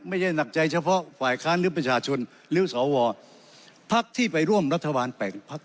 หนักใจเฉพาะฝ่ายค้านหรือประชาชนหรือสวพักที่ไปร่วมรัฐบาลแต่งพัก